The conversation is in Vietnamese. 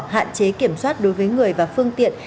hạn chế kiểm soát đối với người và phương tiện